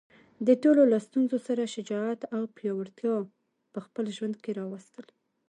د ټولو له ستونزو سره شجاعت او پیاوړتیا په خپل ژوند کې راوستل.